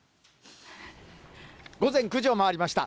午前９時を回りました。